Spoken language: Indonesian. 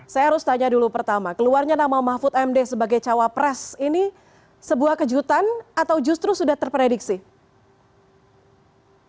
saya harus tanya dulu pertama keluarnya nama mahfud md sebagai cawapres ini sebuah kejutan atau justru sudah terprediksi